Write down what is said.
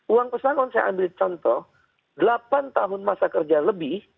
uang pesangon saya ambil contoh delapan tahun masa kerja lebih